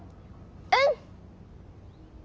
うん！